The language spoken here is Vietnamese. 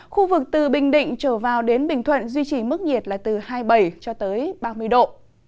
khu vực từ bình định trở vào đến bình thuận duy trì mức nhiệt là từ hai mươi bảy cho tới ba mươi độ